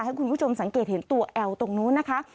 ให้คุณผู้ชมสังเกตเห็นตัวแอลตรงนู้นนะคะ